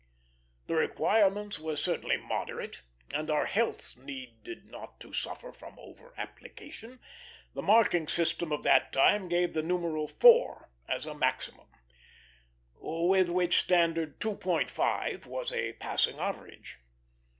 The requirements were certainly moderate, and our healths needed not to suffer from over application. The marking system of that time gave the numeral 4 as a maximum, with which standard 2.5 was a "passing average."